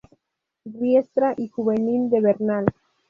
Riestra y Juventud de Bernal.